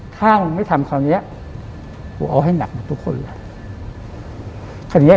ถ้ามึงไม่ทำคราวนี้กูเอาให้หนักหมดทุกคนเลย